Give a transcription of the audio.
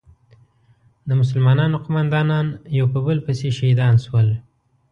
د مسلمانانو قومندانان یو په بل پسې شهیدان شول.